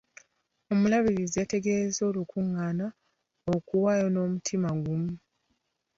Omulabirizi yategezezza olukungaana okuwaayo n'omutima gumu.